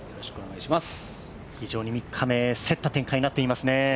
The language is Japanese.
非常に３日目、競った展開になっていますね。